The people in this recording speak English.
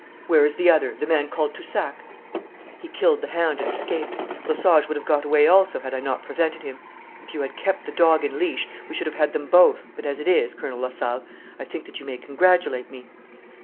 'Where is the other the man called Toussac?' 'He killed the hound and escaped. Lesage would have got away also had I not prevented him. If you had kept the dog in leash we should have had them both, but as it is, Colonel Lasalle, I think that you may congratulate me.'